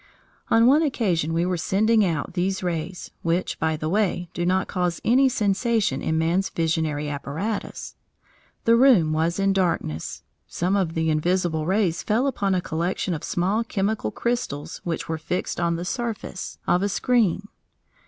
On one occasion we were sending out these rays, which, by the way, do not cause any sensation in man's visionary apparatus. The room was in darkness. Some of the invisible rays fell upon a collection of small chemical crystals which were fixed on the surface of a screen.